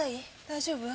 大丈夫？